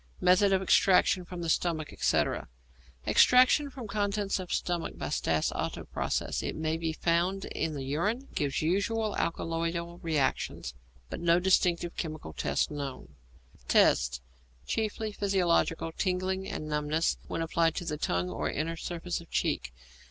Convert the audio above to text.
Method of Extraction from the Stomach, etc. Extraction from contents of stomach by Stas Otto process. It may be found in the urine; gives usual alkaloidal reactions, but no distinctive chemical test known. Tests. Chiefly physiological; tingling and numbness when applied to tongue or inner surface of cheek.